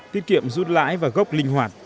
tiết kiệm rút lãi và gốc linh hoạt